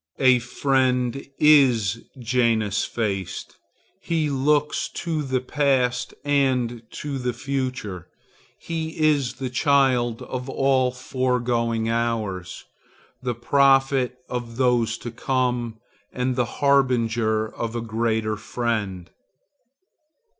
A friend is Janus faced; he looks to the past and the future. He is the child of all my foregoing hours, the prophet of those to come, and the harbinger of a greater friend.